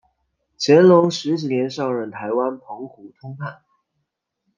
乾隆十四年上任台湾澎湖通判。